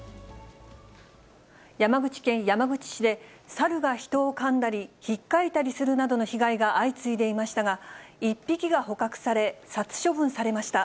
山口県山口市で、サルが人をかんだり、ひっかいたりするなどの被害が相次いでいましたが、１匹が捕獲され、殺処分されました。